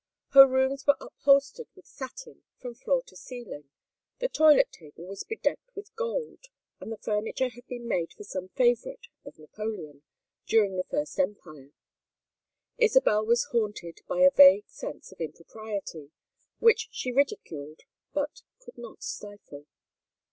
Her rooms were upholstered with satin from floor to ceiling, the toilet table was bedecked with gold, and the furniture had been made for some favorite of Napoleon during the First Empire. Isabel was haunted by a vague sense of impropriety, which she ridiculed but could not stifle.